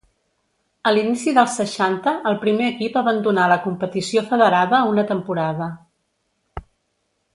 A l'inici dels seixanta el primer equip abandonà la competició federada una temporada.